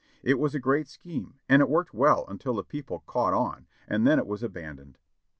It was a great scheme, and it worked well until the people "caught on," and then it was abandoned.